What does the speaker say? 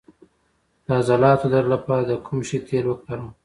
د عضلاتو درد لپاره د کوم شي تېل وکاروم؟